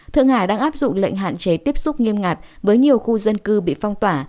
thượng hải đang áp dụng lệnh hạn chế tiếp xúc nghiêm ngặt với nhiều khu dân cư bị phong tỏa